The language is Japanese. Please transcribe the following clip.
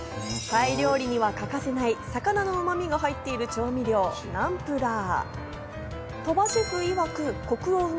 タイ料理には欠かせない魚のうまみが入っている調味料、ナンプラー。